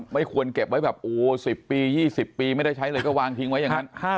ไม่ควรเก็บไว้แบบโอ้๑๐ปี๒๐ปีไม่ได้ใช้เลยก็วางทิ้งไว้อย่างนั้น